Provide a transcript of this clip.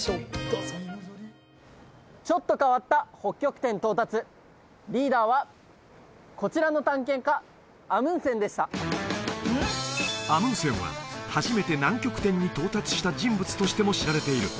どうぞちょっと変わった北極点到達リーダーはこちらの探検家アムンセンでしたアムンセンは初めて南極点に到達した人物としても知られている